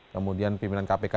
kemudian pimpinan kpk